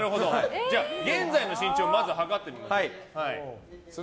じゃあ、現在の身長をまず測ってみましょう。